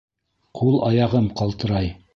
Ҡул-аяғым ҡалтырай!